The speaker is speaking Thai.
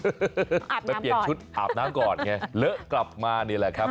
อาบน้ำก่อนไปเปียกชุดอาบน้ำก่อนไงเหลอะกลับมานี่แหละครับ